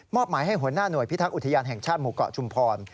หมายให้หัวหน้าหน่วยพิทักษ์อุทยานแห่งชาติหมู่เกาะชุมพร